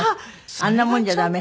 あんなもんじゃダメ？